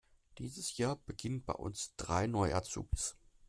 Dieses Jahr beginnen bei uns drei neue Azubis.